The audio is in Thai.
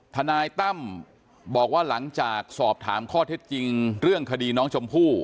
ทนายตั้มบอกว่าหลังจากสอบถามข้อเท็จจริงเรื่องคดีน้องชมพู่